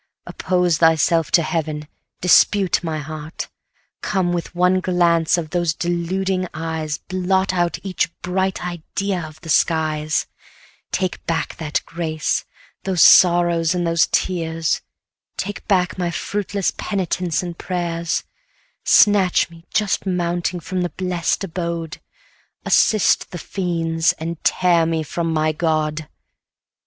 Oppose thyself to heaven; dispute my heart; Come, with one glance of those deluding eyes Blot out each bright idea of the skies; Take back that grace, those sorrows, and those tears; Take back my fruitless penitence and prayers; Snatch me, just mounting, from the blest abode; Assist the fiends, and tear me from my God!